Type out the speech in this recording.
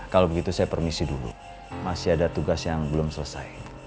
kalau begitu saya permisi dulu masih ada tugas yang belum selesai